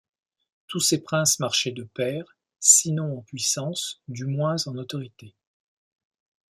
Tous ces princes marchaient de pair, sinon en puissance, du moins en autorité.